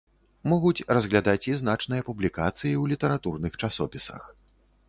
Могуць разглядаць і значныя публікацыі ў літаратурных часопісах.